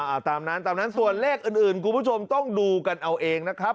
เอาตามนั้นตามนั้นส่วนเลขอื่นคุณผู้ชมต้องดูกันเอาเองนะครับ